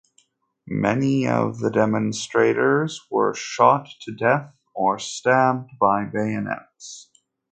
Many of the demonstrators were shot to death or stabbed by bayonets.